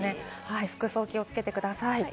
服装、気をつけてください。